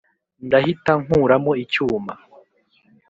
ndahita nkuramo icyuma